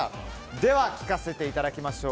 では、聞かせていただきましょう。